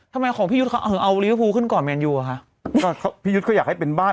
ถ้าตอนนี้จะพอมายากน่ะ